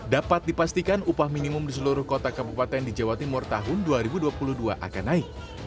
dapat dipastikan upah minimum di seluruh kota kabupaten di jawa timur tahun dua ribu dua puluh dua akan naik